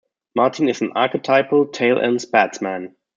Martin is an archetypal tail-end batsman.